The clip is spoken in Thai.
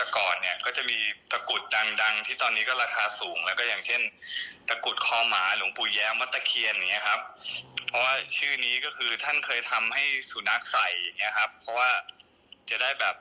ก็จะมีหลายคนไม่ค่อยพอใจ